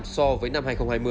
so với năm hai nghìn hai mươi